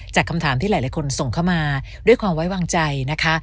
คำถามที่หลายคนส่งเข้ามาด้วยความไว้วางใจนะคะ